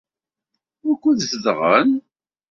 Wukud zedɣen?